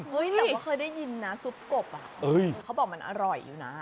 เราก็เคยได้ยินนะซุปกบเขาบอกมันอร่อยอยู่นะ